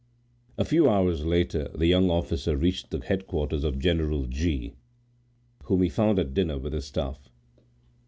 A few hours later the young officer reached the headquarters of General G—t—r, whom he found at dinner with his staff.